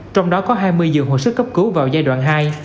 trong đó có hai mươi dường hồi sức cấp cứu vào giai đoạn hai